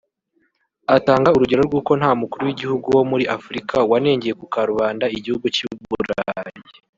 Atanga urugero rw’uko nta Mukuru w’Igihugu wo muri Afurika wanengeye ku karubanda igihugu cy’i Burayi